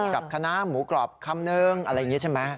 กับคณะหมูกรอบคำนึงอะไรอย่างนี้ใช่ไหม